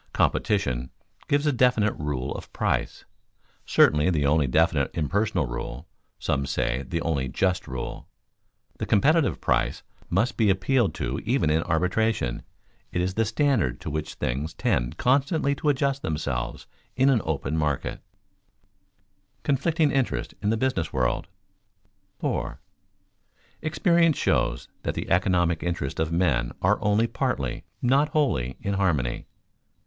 Competition gives a definite rule of price certainly the only definite impersonal rule; some say the only just rule. The competitive price must be appealed to even in arbitration. It is the standard to which things tend constantly to adjust themselves in an open market. [Sidenote: Conflicting interests in the business world] 4. _Experience shows that the economic interests of men are only partly, not wholly, in harmony.